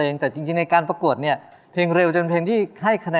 งานนี้ครับ